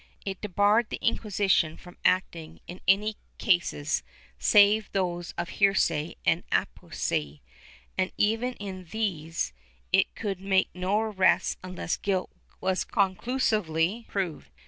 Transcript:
It debarred the Inquisition from acting in any cases save those of heresy and apostasy, and even in these it could make no arrests unless guilt was conclusively proved.